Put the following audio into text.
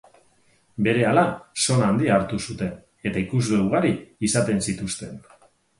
Berehala sona handia hartu zuten eta ikusle ugari izaten zituzten.